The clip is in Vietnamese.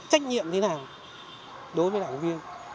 trách nhiệm thế nào đối với đảng viên